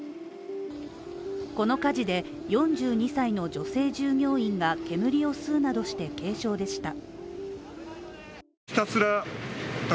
この火事で、４２歳の女性従業員が煙を吸うなどして軽傷でした。